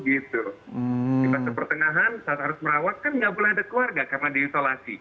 di masa pertengahan saat harus merawat kan nggak boleh ada keluarga karena diisolasi